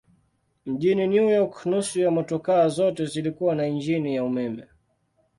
Mjini New York nusu ya motokaa zote zilikuwa na injini ya umeme.